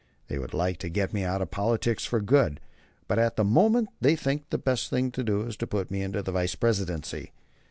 They would like to get me out of politics for good, but at the moment they think the best thing to do is to put me into the Vice Presidency.